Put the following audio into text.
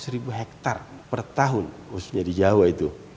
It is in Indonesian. seratus ribu hektare per tahun khususnya di jawa itu